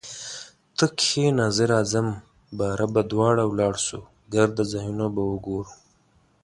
ته کښینه زه راځم باره به دواړه ولاړسو ګرده ځایونه به وګورو